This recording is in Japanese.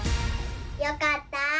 よかった！